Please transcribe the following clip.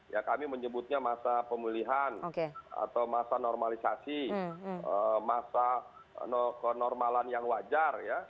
ya kami menyebutnya masa pemulihan atau masa normalisasi masa kenormalan yang wajar ya